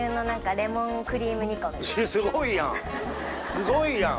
すごいやん！